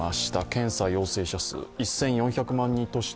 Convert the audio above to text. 検査陽性者数１４００万都市